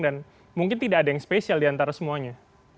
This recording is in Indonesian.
dan mungkin tidak ada yang spesial di antara semuanya